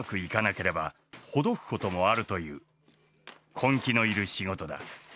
根気のいる仕事だ。